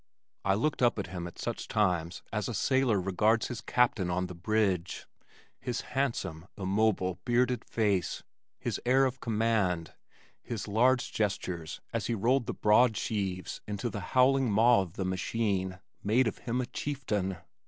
I looked up at him at such times as a sailor regards his captain on the bridge. His handsome immobile bearded face, his air of command, his large gestures as he rolled the broad sheaves into the howling maw of the machine made of him a chieftain.